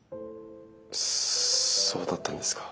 そうだったんですか。